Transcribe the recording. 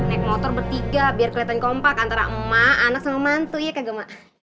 naik motor bertiga biar kelihatan kompak antara emak anak sama mantu ya kagak mak